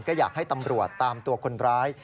ก็อยากให้ตำรวจตามตัวคนร้าย